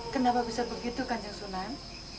kenapa bisa begitu kan jeng sunan